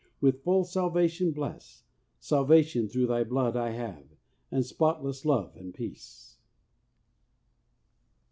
With full Salvation bless ; Salvation through Thy Blood I have. And spotless love and peace.